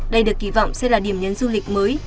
đây được kỳ vọng sẽ là điểm nhấn du lịch mới